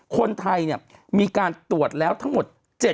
คนไทยมีการตรวจแล้วทั้งหมด